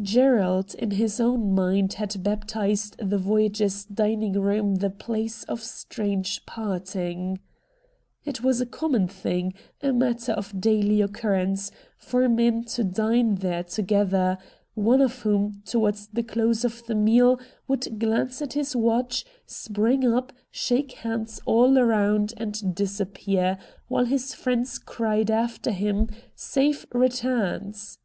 Gerald in his own mind had baptised the Voyagers' dining room the ' Place of Strange Parting.' It was a common thing, a matter of daily occurrence, for men to dine there together, one of whom, towards the close of the meal, would glance at his watch, spring up, shake hands all round, and disappear, while his friends cried after him, 'Safe returns.'